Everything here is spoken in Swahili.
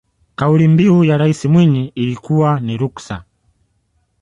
kauli mbiu ya rais mwinyi ilikuwa ni ruksa